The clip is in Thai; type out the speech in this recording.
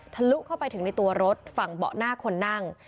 ลุเข้าไปถึงในตัวรถฝั่งเบาะหน้าคนนั่ง